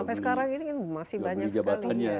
sampai sekarang ini kan masih banyak sekali